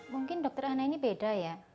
mungkin dokter ana ini beda ya